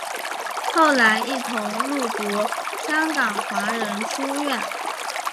后来一同入读香港华仁书院。